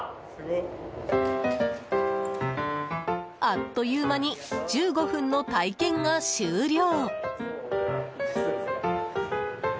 あっという間に１５分の体験が終了。